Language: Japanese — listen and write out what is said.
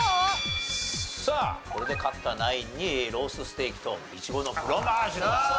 これで勝ったナインにロースステーキといちごのフロマージュと。